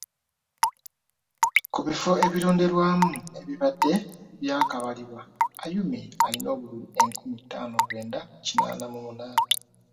Ku bifo ebironderwamu ebibadde byakabalibwa Ayume alina obululu enkumi ttaano lwenda kinaana mu munaana.